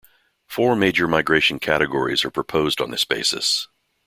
Four major migration categories are proposed on this basis.